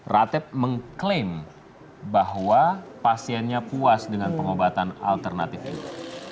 ratep mengklaim bahwa pasiennya puas dengan pengobatan alternatif itu